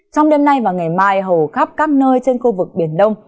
trong đêm nay và ngày mai hầu khắp các nơi trên khu vực biển đông